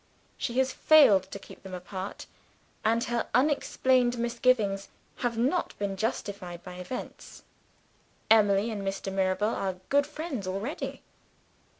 She has failed to keep them apart; and her unexplained misgivings have not been justified by events: Emily and Mr. Mirabel are good friends already.